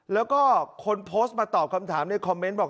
แล้วก็คนโพสต์มาตอบคำถามในคอมเมนต์บอก